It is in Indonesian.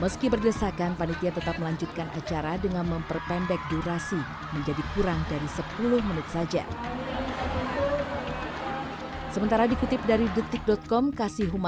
sehun sehun sehun